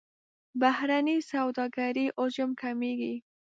بهرنۍ سوداګرۍ حجم کمیږي.